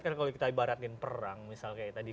kalau kita ibaratin perang misalnya kayak tadi